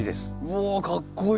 うわかっこいい。